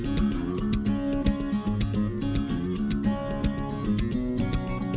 pada contohnya abytes mamichaft yang berwarna satunya